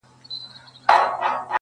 ته ګرځې لالهانده پسي شیخه ما لیدلي.